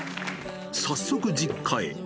早速実家へ。